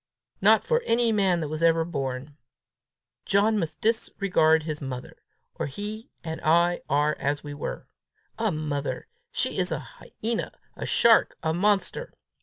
Not for any man that ever was born! John must discard his mother, or he and I are as we were! A mother! She is a hyena, a shark, a monster!